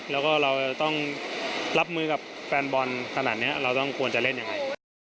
แล้วก็เราจะต้องรับมือกับแฟนบอลขนาดนี้เราต้องควรจะเล่นยังไง